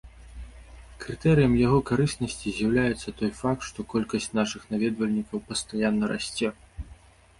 Крытэрыем яго карыснасці з'яўляецца той факт, што колькасць нашых наведвальнікаў пастаянна расце.